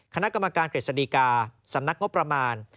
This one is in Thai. คณะกรรมการเกร็ดศัตริกาสำนักงบประมาณ